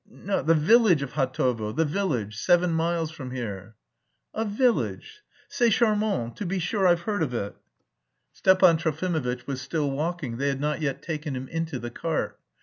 "The village of Hatovo, the village, seven miles from here." "A village? C'est charmant, to be sure I've heard of it...." Stepan Trofimovitch was still walking, they had not yet taken him into the cart.